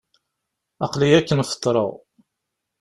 Aql-iyi akken feḍreɣ.